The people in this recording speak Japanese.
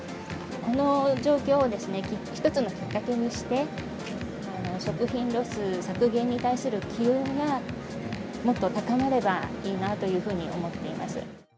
この状況を一つのきっかけにして、食品ロス削減に対する機運がもっと高まればいいなというふうに思